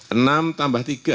enam tambah tiga